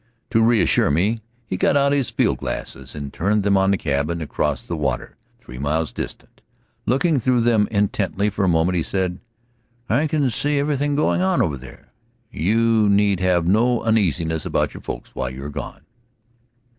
To reassure me, he got out his field glasses and turned them on the cabin across the water, three miles distant. Looking through them intently for a moment he said, "I can see everything going on over there. You need have no uneasiness about your folks while you are gone."